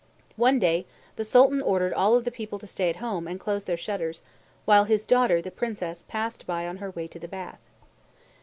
One day the Sultan ordered all of the people to stay at home and close their shutters, while his daughter, the Princess, passed by on her way to the bath.